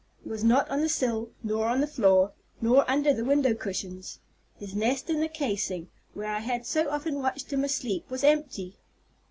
He was not on the sill, nor on the floor, nor under the window cushions. His nest in the casing, where I had so often watched him asleep, was empty.